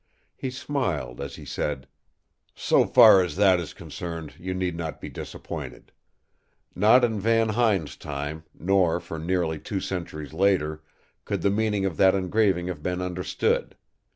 He smiled as he said: "So far as that is concerned, you need not be disappointed. Not in Van Huyn's time, nor for nearly two centuries later, could the meaning of that engraving have been understood.